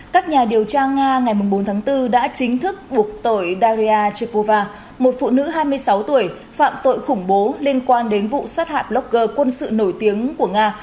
các nhà điều tra nga ngày bốn tháng bốn đã chính thức buộc tội daria chikuva một phụ nữ hai mươi sáu tuổi phạm tội khủng bố liên quan đến vụ sát hại blogger quân sự nổi tiếng của nga